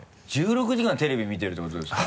１６時間テレビ見てるってことですか？